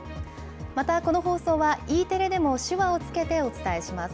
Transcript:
またこの放送はＥテレでも、手話をつけてお伝えします。